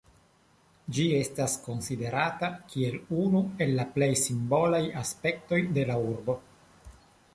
Ĝi estas konsiderata kiel unu el la plej simbolaj aspektoj de la urbo.